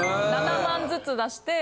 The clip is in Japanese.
７万ずつ出して。